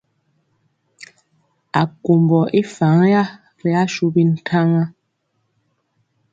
Akombɔ i faŋ ya ri ashu bintaŋa.